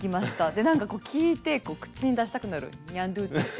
でなんかこう聞いて口に出したくなるニャンドゥティって。